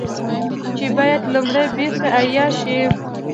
چې بايد لومړی بېرته احياء شي